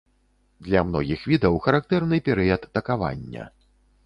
Для многіх відаў характэрны перыяд такавання.